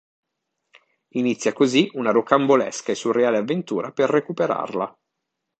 Inizia così una rocambolesca e surreale avventura per recuperarla.